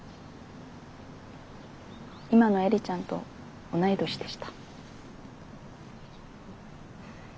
今の映里ちゃんと同い年でした。